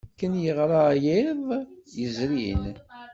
Ken yeɣra iḍ yezrin.